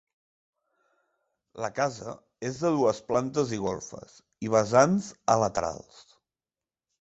La casa és de dues plantes i golfes i vessants a laterals.